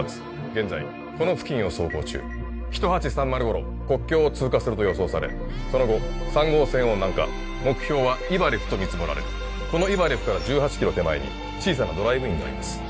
現在この付近を走行中ヒトハチサンマル頃国境を通過すると予想されその後３号線を南下目標はイバレフと見積もられるこのイバレフから１８キロ手前に小さなドライブインがあります